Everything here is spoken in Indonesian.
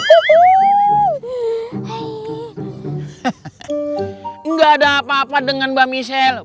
enggak ada apa apa dengan mbak michelle